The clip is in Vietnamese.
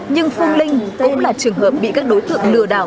nhưng phương linh cũng là trường hợp bị các đối tượng lừa đảo